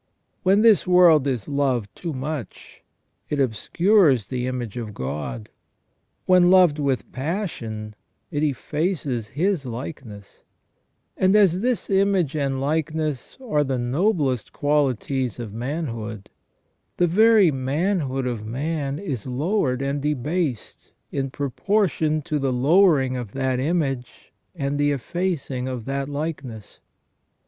When this world is loved too much, it obscures the image of God ; when loved with passion it effaces His likeness ; and as this image and likeness are the noblest qualities of manhood, the very manhood of man is lowered and debased in proportion to the lowering of that image and the effacing of that likeness.